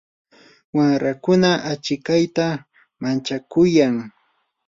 wamrakuna achikayta manchakuyan.